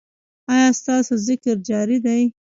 ایا ستاسو ذکر جاری دی؟